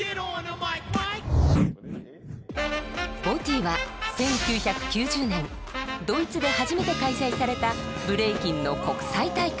ＢＯＴＹは１９９０年ドイツで初めて開催されたブレイキンの国際大会。